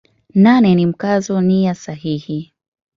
Nane ni Mkazo nia sahihi.